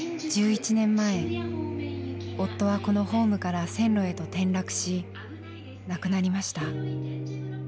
１１年前夫はこのホームから線路へと転落し亡くなりました。